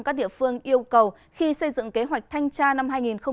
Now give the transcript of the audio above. các địa phương yêu cầu khi xây dựng kế hoạch thanh tra năm hai nghìn hai mươi